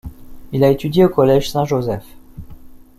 Il a étudié au Collège Saint-Joseph.